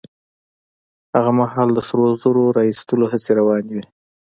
هغه مهال د سرو زرو را ايستلو هڅې روانې وې.